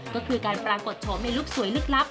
ก็คือการปรากฏโฉมในลุคสวยลึกลับ